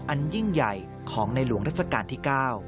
อันยิ่งใหญ่ของในหลวงรัชกาลที่๙